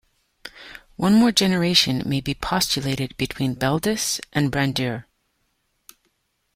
One more generation may be postulated between Beldis and Brandir.